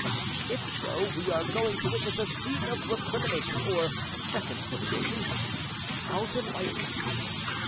"If so, we are going to witness a scene of recrimination or reconciliation. How delightful!"